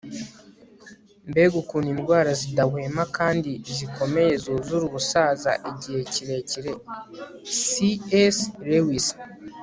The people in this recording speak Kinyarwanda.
mbega ukuntu indwara zidahwema kandi zikomeye zuzura ubusaza igihe kirekire - c s lewis